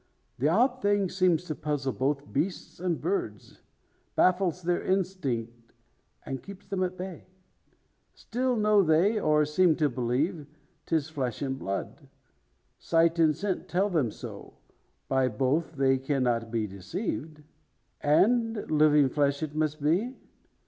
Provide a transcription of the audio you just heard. The odd thing seems to puzzle both beasts and birds; baffles their instinct, and keeps them at bay. Still know they, or seem to believe, 'tis flesh and blood. Sight and scent tell them so. By both they cannot be deceived. And living flesh it must be?